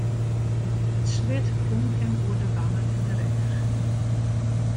It swit rûn him oer de wangen en de rêch.